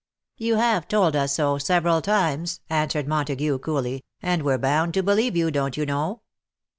^^" You have told us so several times/^ answered Montagu, coolly, ^' and we're bound to believe you, don't you know.'